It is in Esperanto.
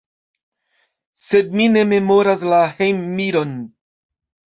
Sed mi ne memoras la hejmiron.